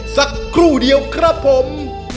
สักครู่เดียวครับผม